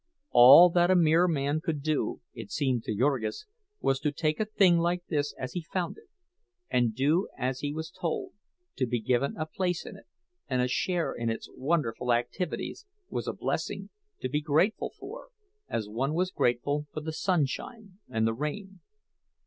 All that a mere man could do, it seemed to Jurgis, was to take a thing like this as he found it, and do as he was told; to be given a place in it and a share in its wonderful activities was a blessing to be grateful for, as one was grateful for the sunshine and the rain.